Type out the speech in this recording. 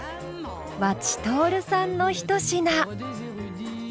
和知徹さんのひと品。